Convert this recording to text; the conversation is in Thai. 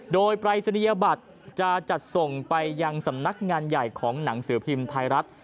โดยปรายศนียบัตรจะจัดส่งไปยังสำนักงานใหญ่ของหนังสือพิมพ์ไทยรัฐ